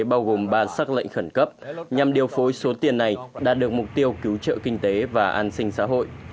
bao gồm ba xác lệnh khẩn cấp nhằm điều phối số tiền này đạt được mục tiêu cứu trợ kinh tế và an sinh xã hội